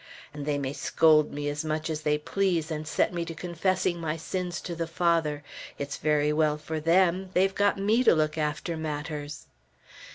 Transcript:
And they may scold me as much as they please, and set me to confessing my sins to the Father; it's very well for them, they've got me to look after matters.